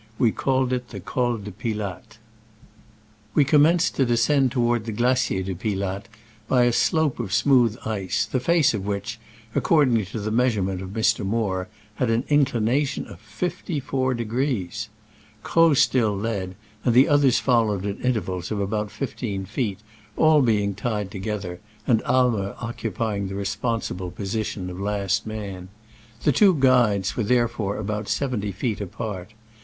We called it the Col de Pilatte. . We commenced to descend toward the Glacier de Pilatte by a slope of smooth ice, the face of which, according to the measurement of Mr. Moore, had an inclination of 54° ! Croz still led, and the others followed at intervals of about fifteen feet, all being tied together, and Aimer occupying the responsible position of last man : the two guides were there fore about seventy feet apart.